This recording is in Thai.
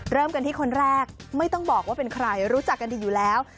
เริ่มกันที่คนแรกไม่ต้องบอกว่าเป็นใครรู้จักกันดีอยู่แล้ว